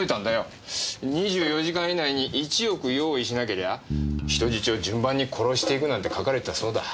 ２４時間以内に１億用意しなけりゃ人質を順番に殺していくなんて書かれてたそうだ。